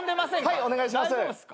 はいお願いします。